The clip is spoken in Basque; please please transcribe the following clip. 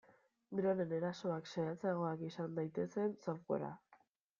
Droneen erasoak zehatzagoak izan daitezen softwarea.